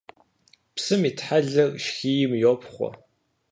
Псым итхьэлэр шхийм йопхъуэ.